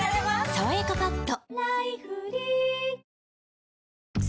「さわやかパッド」